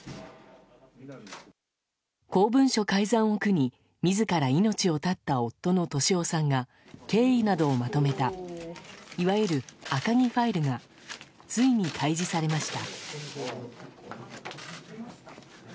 公文書改ざんを苦に自ら命を絶った夫の俊夫さんが経緯などをまとめたいわゆる赤木ファイルがついに開示されました。